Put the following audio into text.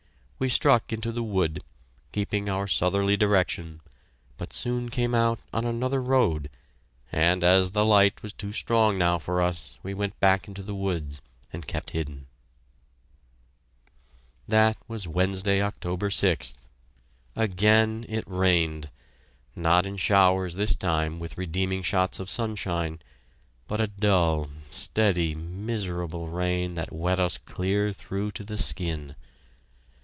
We struck into the wood, keeping our southerly direction, but soon came out on another road, and as the light was too strong now for us, we went back into the woods and kept hidden. That was Wednesday, October 6th. Again it rained; not in showers this time with redeeming shots of sunshine, but a dull, steady, miserable rain that wet us clear through to the skin.